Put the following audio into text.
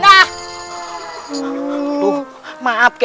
mereka memang punya